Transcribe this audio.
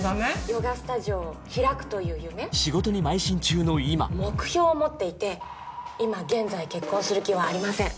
ヨガスタジオを開くという夢仕事にまい進中の今目標を持っていて今現在結婚する気はありません